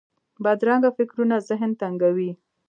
بدرنګه فکرونه ذهن تنګوي